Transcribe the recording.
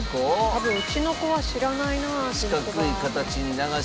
多分うちの子は知らないなきんつば。